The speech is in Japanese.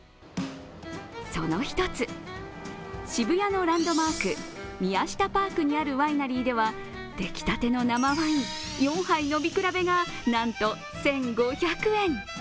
その１つ、渋谷のランドマーク、ＭＩＹＡＳＨＩＴＡＰＡＲＫにあるワイナリーでは出来たての生ワイン４杯飲み比べがなんと１５００円。